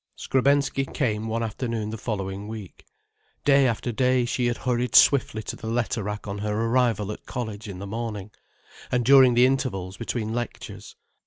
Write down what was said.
Skrebensky came one afternoon the following week. Day after day, she had hurried swiftly to the letter rack on her arrival at college in the morning, and during the intervals between lectures.